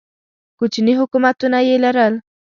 کوچني حکومتونه یې لرل